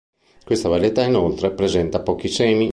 Questa varietà, inoltre, presenta pochi semi.